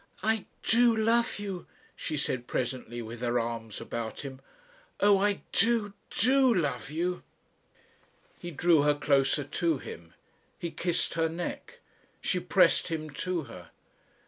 "I do love you," she said presently with her arms about him. "Oh! I do do love you." He drew her closer to him. He kissed her neck. She pressed him to her.